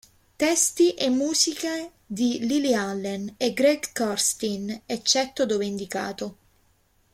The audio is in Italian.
Testi e musiche di Lily Allen e Greg Kurstin, eccetto dove indicato.